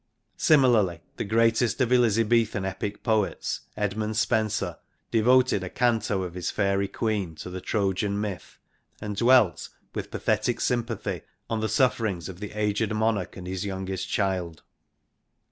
Similarly the greatest of Elizabethan epic poets, Edmund jSpenser, devoted a canto of his Faerie Queene to the Trojan myth, and dwelt with pathetic sympathy on the sufferings of the aged monarch and his youngest child.